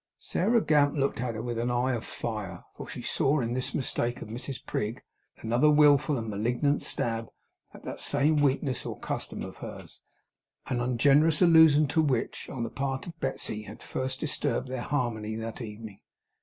Sarah Gamp looked at her with an eye of fire, for she saw in this mistake of Mrs Prig, another willful and malignant stab at that same weakness or custom of hers, an ungenerous allusion to which, on the part of Betsey, had first disturbed their harmony that evening.